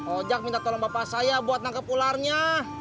ojak minta tolong bapak saya buat nangkep ularnya